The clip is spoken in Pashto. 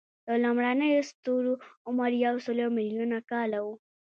د لومړنیو ستورو عمر یو سل ملیونه کاله و.